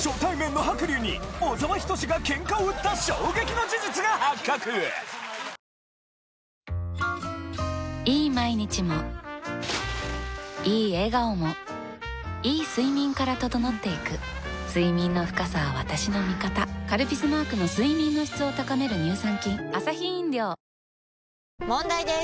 このあとを売った衝撃の事実が発覚いい毎日もいい笑顔もいい睡眠から整っていく睡眠の深さは私の味方「カルピス」マークの睡眠の質を高める乳酸菌問題です！